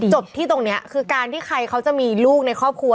จบที่ตรงนี้คือการที่ใครเขาจะมีลูกในครอบครัว